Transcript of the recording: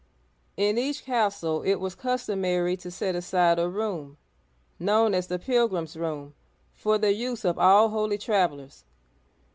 In each castle it was customary to set aside a room, known as the " Pilgrims* Room," for the use of all holy travelers.